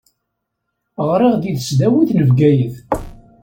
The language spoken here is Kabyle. Ɣṛiɣ di tesdawit n Bgayet.